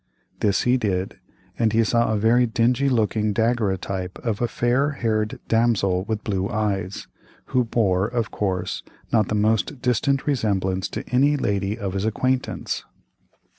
This he did, and he saw a very dingy looking daguerreotype of a fair haired damsel with blue eyes, who bore, of course, not the most distant resemblance to any lady of his acquaintance.